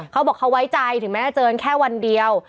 เขาบอกเขาไว้ใจถึงแม้จะเจอกันแค่วันเดียว